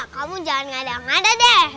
kamu jangan ngadah ngadah deh